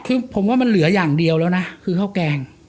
คือผมว่ามันเหลืออย่างเดียวแล้วนะคือข้าวแกง